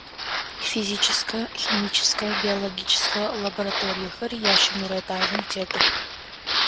Физическэ, химическэ, биологическэ лабораториехэр ящэнэрэ этажым тетых.